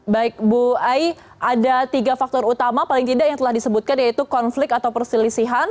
baik bu ai ada tiga faktor utama paling tidak yang telah disebutkan yaitu konflik atau perselisihan